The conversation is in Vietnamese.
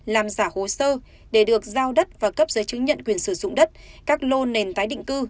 làm giả hồ sơ để được giao đất và cấp giấy chứng nhận quyền sử dụng đất các lô nền tái định cư